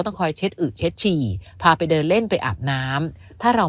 ต้องคอยเช็ดอึกเช็ดฉี่พาไปเดินเล่นไปอาบน้ำถ้าเรา